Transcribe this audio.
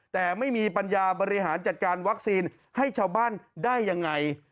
แต่ไม่มีปัญญาบริหารจัดการวัคซีนให้ชาวบ้านได้ยังไง